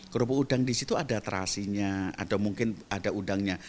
kerupuk udang disitu ada terasinya ada mungkin ada udangnya